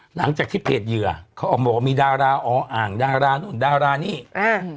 หลังจากที่เพจเหยื่อเขาออกมาว่ามีดาราอ๋ออ่างดารานู่นดารานี่อ่า